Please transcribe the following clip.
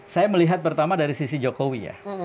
saya melihat pertama dari sisi jokowi ya